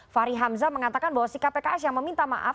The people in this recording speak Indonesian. fahri hamzah mengatakan bahwa sikap pks yang meminta maaf